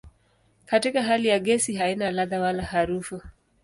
Katika hali ya gesi haina ladha wala harufu.